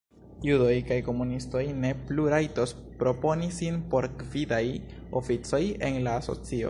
Judoj kaj komunistoj ne plu rajtos proponi sin por gvidaj oficoj en la asocio.